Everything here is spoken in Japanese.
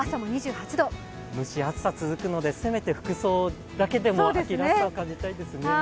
蒸し暑さ続くのでせめて服装だけでも秋らしさを感じたいですね